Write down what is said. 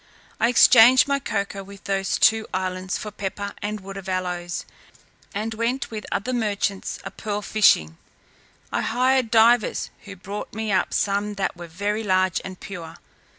I exchanged my cocoa in those two islands for pepper and wood of aloes, and went with other merchants a pearl fishing. I hired divers, who brought me up some that were very large and pure.